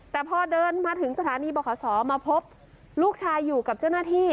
แต่พอเดินมาถึงสถานีบขศมาพบลูกชายอยู่กับเจ้าหน้าที่